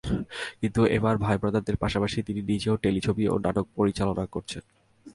কিন্তু এবার ভাই ব্রাদারদের পাশাপাশি তিনি নিজেও টেলিছবি ও নাটক পরিচালনা করছেন।